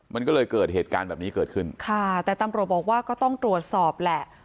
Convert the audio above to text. มันก็เลยเกิดเหตุการณ์แบบนี้เกิดขึ้นค่ะแต่ตำรวจบอกว่าก็ต้องตรวจสอบแหละ